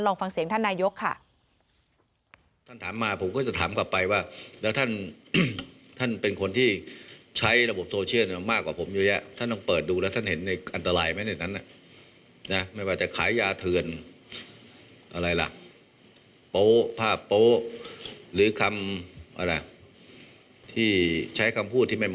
ฟังเสียงท่านนายกค่ะ